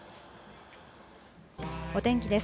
お天気です。